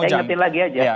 saya ingetin lagi aja